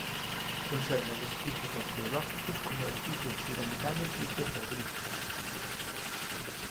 Conserva vestigios arqueológicos como edificios piramidales y petroglifos.